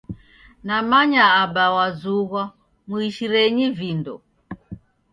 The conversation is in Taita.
Namanya Aba wazughwa muishirenyi vindo.